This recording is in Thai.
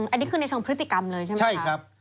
อันนี้คือในเชิงพฤติกรรมเลยใช่ไหมคะ